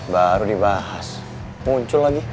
baru dibahas muncul lagi